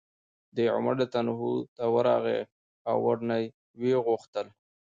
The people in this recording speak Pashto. دی عمر رضي الله عنه ته ورغی او ورنه ویې غوښتل